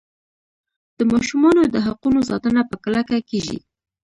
د ماشومانو د حقونو ساتنه په کلکه کیږي.